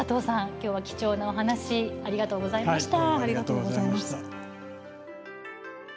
きょうは貴重なお話ありがとうございました